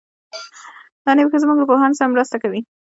دا نیوکې زموږ له پوهانو سره مرسته کوي.